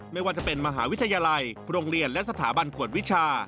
ไม่ว่าจะเป็นมหาวิทยาลัยโรงเรียนและสถาบันกวดวิชา